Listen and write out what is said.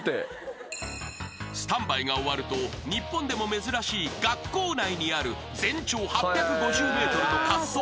［スタンバイが終わると日本でも珍しい学校内にある全長８５０ｍの滑走路を］